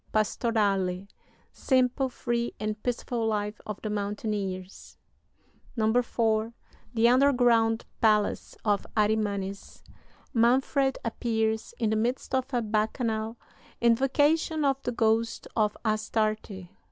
Pastorale. Simple, free, and peaceful life of the mountaineers. "IV. The underground palace of Arimanes. Manfred appears in the midst of a bacchanal. Invocation of the ghost of Astarte.